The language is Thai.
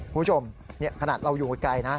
ผู้ชมเชิดขนาดเรายูงไกลนะ